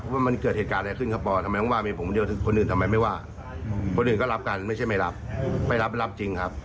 พ้นก๋อเฮฮอบบอกว่าเธอทำให้ผ่มโอโหและบันดาลโทษา